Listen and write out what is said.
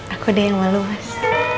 aku deh yang malu mas